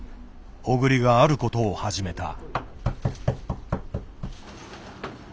小栗があることを始めた。